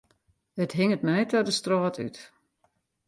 It hinget my ta de strôt út.